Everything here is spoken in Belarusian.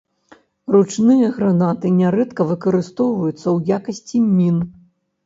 Ручныя гранаты нярэдка выкарыстоўваюцца ў якасці мін.